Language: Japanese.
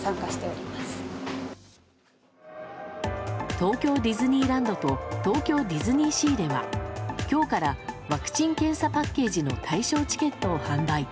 東京ディズニーランドと東京ディズニーシーでは今日からワクチン・検査パッケージの対象チケットを販売。